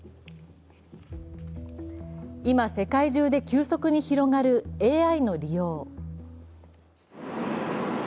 今、世界中で急速に広がるＡＩの利用。